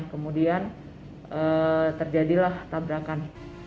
kemudian terjadilah tabrakan